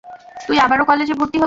তুই আবারও কলেজে ভর্তি হবি!